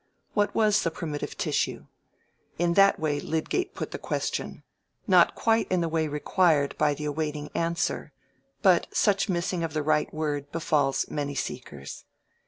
What was the primitive tissue? In that way Lydgate put the question—not quite in the way required by the awaiting answer; but such missing of the right word befalls many seekers.